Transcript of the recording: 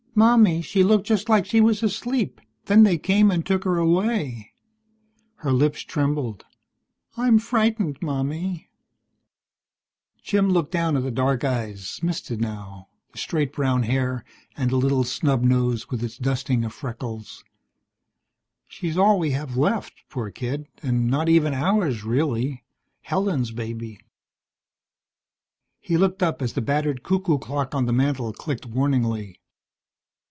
"Mommy, she looked just like she was asleep, then they came and took her away." Her lips trembled. "I'm frightened, Mommy." Jim looked down at the dark eyes, misted now, the straight brown hair, and the little snub nose with its dusting of freckles. She's all we have left, poor kid, and not even ours, really. Helen's baby. He looked up as the battered cuckoo clock on the mantel clicked warningly.